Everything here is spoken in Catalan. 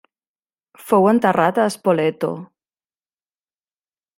Fou enterrat a Spoleto.